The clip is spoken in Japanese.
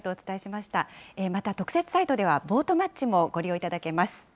また、特設サイトではボートマッチもご利用いただけます。